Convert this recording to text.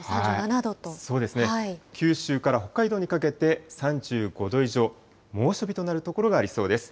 九州から北海道にかけて、３５度以上、猛暑日となる所がありそうです。